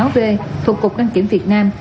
năm mươi sáu v thuộc cục đăng kiểm việt nam